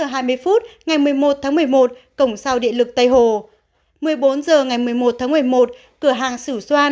tám h hai mươi phút ngày một mươi một tháng một mươi một cổng sao địa lực tây hồ một mươi bốn h ngày một mươi một tháng một mươi một cửa hàng sử xoan